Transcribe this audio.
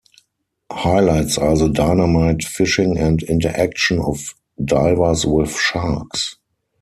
Highlights are the dynamite fishing and interaction of divers with sharks.